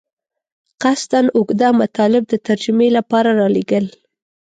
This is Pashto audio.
قصداً اوږده مطالب د ترجمې لپاره رالېږل.